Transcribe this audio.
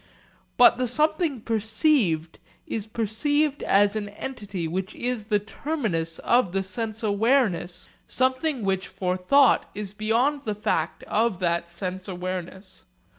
But the something perceived is perceived as an entity which is the terminus of the sense awareness, something which for thought is beyond the fact of that sense awareness.